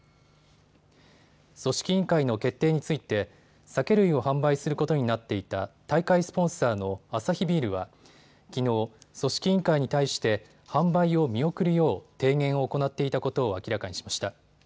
組織委員会の決定について酒類を販売することになっていた大会スポンサーのアサヒビールはきのう組織委員会に対して販売を見送るよう提言を行っていたことを明らかにしました。